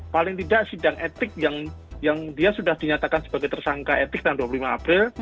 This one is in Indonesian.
paling tidak sidang etik yang dia sudah dinyatakan sebagai tersangka etik tanggal dua puluh lima april